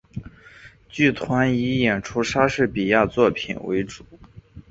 剧团以演出莎士比亚作品为主。